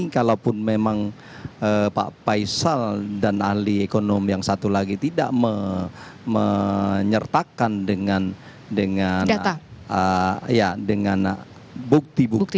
kalaupun memang pak faisal dan ahli ekonomi yang satu lagi tidak menyertakan dengan bukti bukti